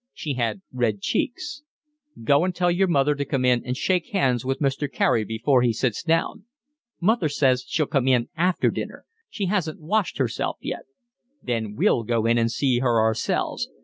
She had red cheeks. "Go and tell your mother to come in and shake hands with Mr. Carey before he sits down." "Mother says she'll come in after dinner. She hasn't washed herself yet." "Then we'll go in and see her ourselves.